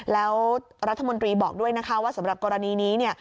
แล้วรัฐมนตรีบอกด้วยนะคะว่าสำหรับกรณีนี้เนี่ย